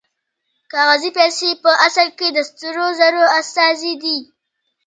کاغذي پیسې په اصل کې د سرو زرو استازي دي